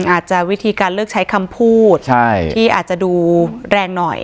อาจจะวิธีการเลือกใช้คำพูดที่อาจจะดูแรงหน่อย